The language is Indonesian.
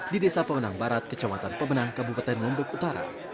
di desa pemenang barat kecamatan pemenang kabupaten lombok utara